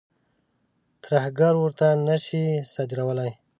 ترهګر ورته نه شي صادرولای.